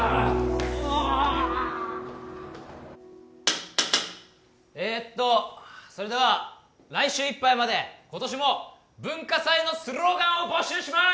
うわあえっとそれでは来週いっぱいまで今年も文化祭のスローガンを募集しまーす！